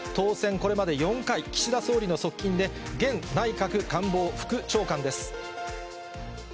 これまで４回、岸田総理の側近で、現内閣官房副長官です。